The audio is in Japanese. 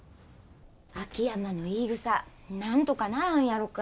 秋山の言いぐさなんとかならんやろか。